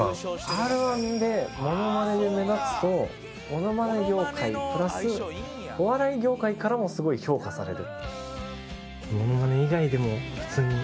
Ｒ−１でモノマネで目立つとモノマネ業界プラスお笑い業界からもすごい評価される。